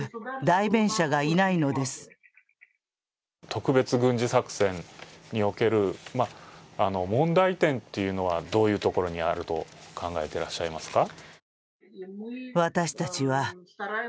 特別軍事作戦における問題点というのは、どういうところにあると考えていらっしゃいますか？